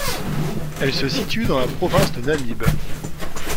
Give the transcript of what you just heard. Elle se situe dans la province de Namibe.